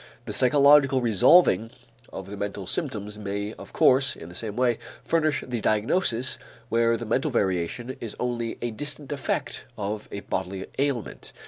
The psychological resolving of the mental symptoms may of course, in the same way, furnish the diagnosis where the mental variation is only a distant effect of a bodily ailment.